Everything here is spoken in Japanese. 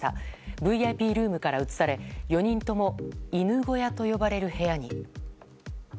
ＶＩＰルームから移され４人とも犬小屋と呼ばれる部屋に。